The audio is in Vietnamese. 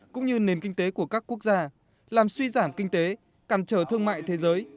cũng như nền kinh tế của các quốc gia làm suy giảm kinh tế càn trở thương mại thế giới